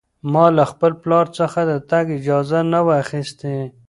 ما له خپل پلار څخه د تګ اجازه نه وه اخیستې.